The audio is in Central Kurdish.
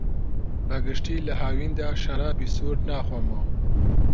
بەگشتی لە هاویندا شەرابی سوور ناخۆمەوە.